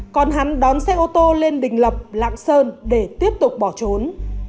còn hắn đón xe ô tô lên đình lập lạng sơn để tiếp tục bỏ trốn